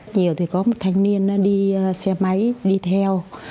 nhiều thì có một thanh niên đi xe máy đi theo